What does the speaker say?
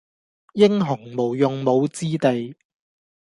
英雄無用武之地